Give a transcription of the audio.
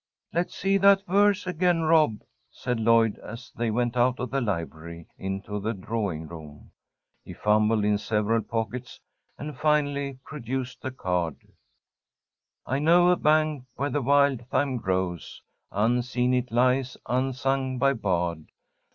"Let's see that verse again, Rob," said Lloyd, as they went out of the library into the drawing room. He fumbled in several pockets and finally produced the card. "I know a bank where the wild thyme grows. Unseen it lies, unsung by bard.